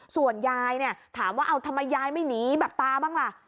ส่วนยายถามว่าทำไมยายไม่หนีแบบตาบ้างล่ะ